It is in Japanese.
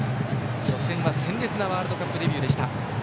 初戦は鮮烈なワールドカップデビューでした。